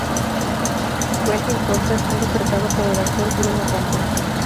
Quentin Costa está interpretado por el actor Bruno Campos.